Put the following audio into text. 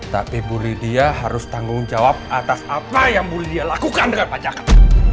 tapi bu lydia harus tanggung jawab atas apa yang bu lydia lakukan dengan pak jakar